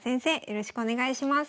よろしくお願いします。